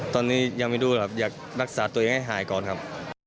ตอนนี้ยังไม่รู้ครับอยากรักษาตัวเองให้หายก่อนครับ